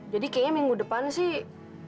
jadi kayaknya minggu depan sih